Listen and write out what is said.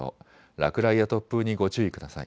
落雷や突風にご注意ください。